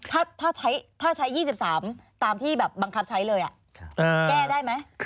ถ้าใช้๒๓ตามที่แบบบังคับใช้เลยแก้ได้ไหม